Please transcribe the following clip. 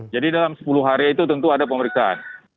jadi dalam sepuluh hari itu tentu ada pemeriksaan